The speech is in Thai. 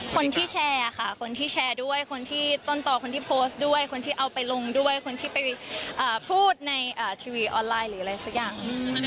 คนที่แชร์ค่ะคนที่แชร์ด้วยคนที่ต้นต่อคนที่โพสต์ด้วยคนที่เอาไปลงด้วยคนที่ไปพูดในทีวีออนไลน์หรืออะไรสักอย่าง